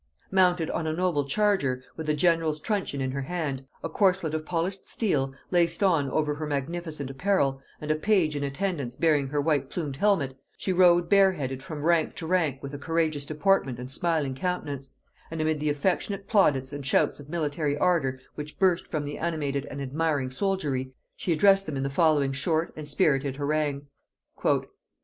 Mounted on a noble charger, with a general's truncheon in her hand, a corselet of polished steel laced on over her magnificent apparel, and a page in attendance bearing her white plumed helmet, she rode bare headed from rank to rank with a courageous deportment and smiling countenance; and amid the affectionate plaudits and shouts of military ardor which burst from the animated and admiring soldiery, she addressed them in the following short and spirited harangue.